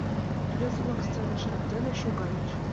Рвезе-влак сценыш рат дене шогальыч.